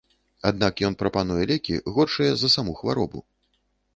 Аднак ён прапануе лекі, горшыя за саму хваробу.